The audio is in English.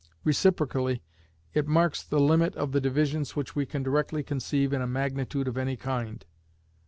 Reciprocally, it marks the limit of the divisions which we can directly conceive in a magnitude of any kind."